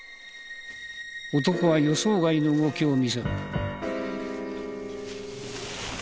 男は予想外の動きを見せる。